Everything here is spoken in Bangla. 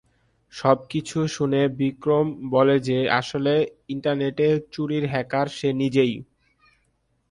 সব কিছু শুনে বিক্রম বলে যে, আসলে ইন্টারনেটে চুরির হ্যাকার সে নিজেই।